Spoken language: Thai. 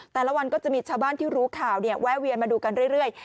แต่ละวันก็จะมีชาวบ้านที่รู้ข่าวแวะเวียนมาดูกันเรื่อย